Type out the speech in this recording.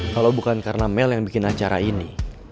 kalau bukan karena mel yang bikin acara ini